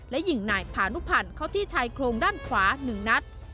และยิงนายพานุพันธ์เข้าที่ชายโครงด้านขวา๑นัด